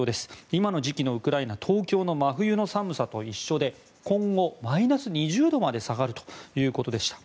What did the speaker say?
今の時期のウクライナは東京の真冬の寒さと一緒で今後マイナス２０度まで下がるということでした。